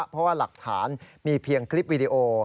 เพราะว่าหลักฐานมีเพียงคลิปวีดีโอ